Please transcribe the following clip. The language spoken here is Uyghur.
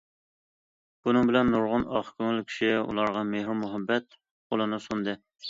بۇنىڭ بىلەن نۇرغۇن ئاق كۆڭۈل كىشى ئۇلارغا مېھىر- مۇھەببەت قولىنى سۇندى.